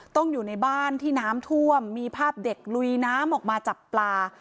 อยู่ในบ้านที่น้ำท่วมมีภาพเด็กลุยน้ำออกมาจับปลา